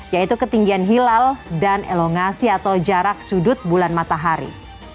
yaitu ketinggian hilal dan elongasi atau jarak sudut bulan matahari